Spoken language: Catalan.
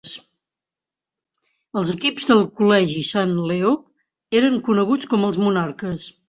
Els equips del Col·legi Saint Leo eren coneguts com els Monarques.